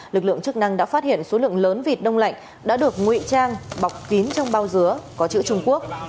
lực lượng chức năng đã phát hiện số lượng lớn vịt đông lạnh đã được ngụy trang bọc kín trong bao dứa có chữ trung quốc